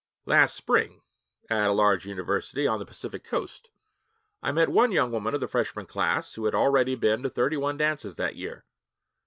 Last spring, at a large university on the Pacific Coast, I met one young woman of the freshman class who had already been to thirty one dances that year.